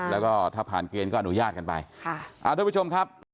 แล้วก็ถ้าผ่านเกณฑ์ก็อนุญาตกันไปค่ะอ่าทุกผู้ชมครับ